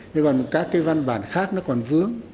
chứ còn các cái văn bản khác nó còn vướng